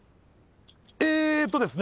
えーとですね。